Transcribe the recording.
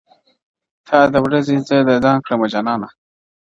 تا د ورځي زه د ځان كړمه جانـانـه,